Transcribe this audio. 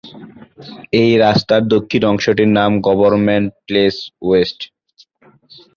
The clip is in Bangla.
এই রাস্তার দক্ষিণ অংশটির নাম গভর্নমেন্ট প্লেস ওয়েস্ট।